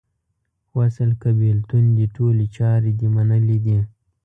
وصل که بیلتون دې ټولي چارې دې منلې دي